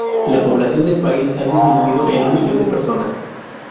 La población del país ha disminuido en un millón de personas.